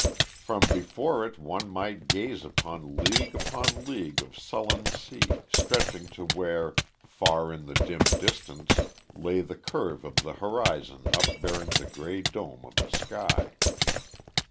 From before it one might gaze upon league upon league of sullen sea, stretching to where, far in the dim distance, lay the curve of the horizon upbearing the gray dome of the sky.